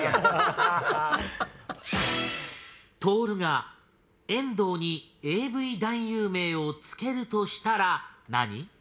とおるが遠藤にＡＶ男優名を付けるとしたら何？